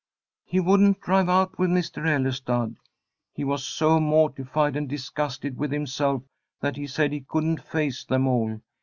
"He wouldn't drive out with Mr. Ellestad. He was so mortified and disgusted with himself that he said he couldn't face them all.